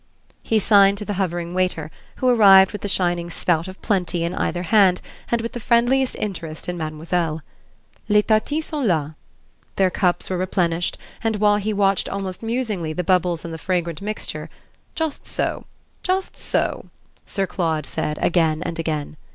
He signed to the hovering waiter, who arrived with the shining spout of plenty in either hand and with the friendliest interest in mademoiselle. "Les tartines sont là." Their cups were replenished and, while he watched almost musingly the bubbles in the fragrant mixture, "Just so just so," Sir Claude said again and again.